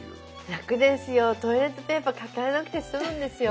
楽ですよトイレットペーパー抱えなくて済むんですよ。